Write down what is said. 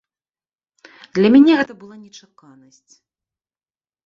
Для мяне гэта была нечаканасць.